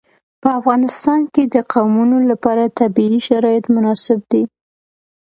په افغانستان کې د قومونه لپاره طبیعي شرایط مناسب دي.